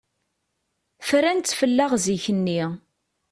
Fran-tt fell-aɣ zik-nni.